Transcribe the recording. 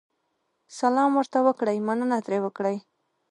سلام ورته وکړئ، مننه ترې وکړئ.